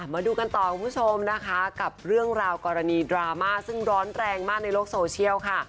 มาดูกันต่อคุณผู้ชมนะคะกับเรื่องราวกรณีดราม่าซึ่งร้อนแรงมากในโลกโซเชียลค่ะ